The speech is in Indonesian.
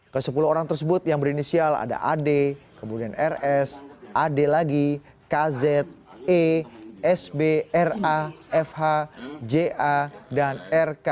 ke sepuluh orang tersebut yang berinisial ada ad kemudian rs ad lagi kz e sb ra fh ja dan rk